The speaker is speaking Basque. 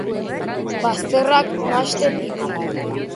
Bazterrak nahasten ibili.